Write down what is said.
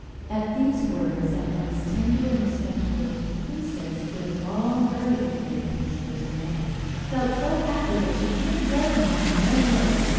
At these words, at once tender and respectful, the princess, who had long heard of the fairy prince Percinet, felt so happy that she feared Grognon no more.